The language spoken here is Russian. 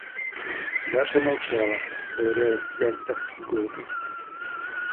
Даша молчала, ковыряя в пяльцах иголкой.